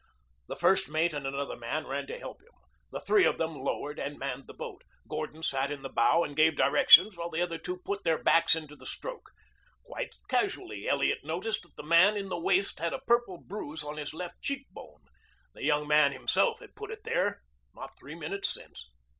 The first mate and another man ran to help him. The three of them lowered and manned the boat. Gordon sat in the bow and gave directions while the other two put their backs into the stroke. Quite casually Elliot noticed that the man in the waist had a purple bruise on his left cheek bone. The young man himself had put it there not three minutes since.